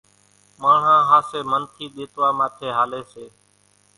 ماڻۿان ۿاسي منَ ٿي ۮيتوا ماٿي ھالي سي